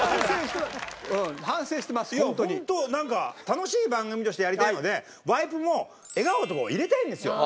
楽しい番組としてやりたいのでワイプも笑顔とかを入れたいんですよ。